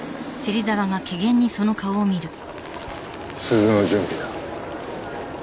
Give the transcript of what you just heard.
鈴の準備だ。